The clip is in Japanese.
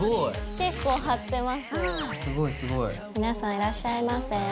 皆さんいらっしゃいませ。